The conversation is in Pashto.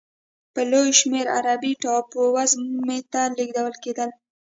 په لویه شمېر عربي ټاپو وزمې ته لېږدول کېدل.